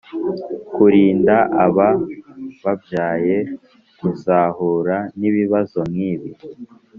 kurinda aba babyaye kuzahura n'ibibazo nk'ibi